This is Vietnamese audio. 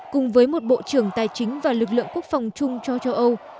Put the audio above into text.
cùng với một bộ trưởng tài chính và lực lượng quốc phòng chung cho châu âu